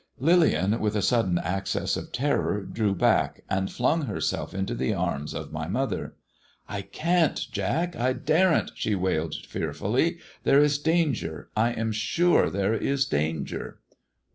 Lillian with a sudden access of terror drew back, and flung Herself into the arms of mj mother. " I can't. Jack ! I daren't," she wailed fearfully ;*' there is danger. I am sure there is danger."